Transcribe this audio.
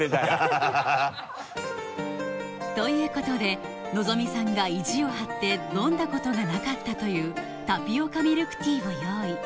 ハハハ ということでのぞみさんが意地を張って飲んだことがなかったというタピオカミルクティーを用意